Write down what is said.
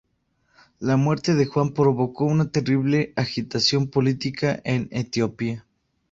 La muerte de Juan provocó una terrible agitación política en Etiopía.